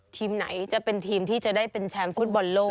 ทีมไหนจะเป็นทีมที่จะได้เป็นแชมป์ฟุตบอลโลก